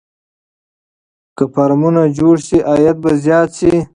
که فارمونه جوړ شي عاید به زیات شي.